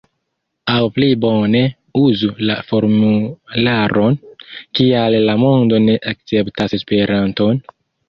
Aŭ pli bone uzu la formularon: Kial la mondo ne akceptas Esperanton?